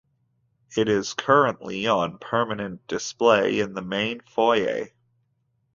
It is currently on permanent display in the main foyer.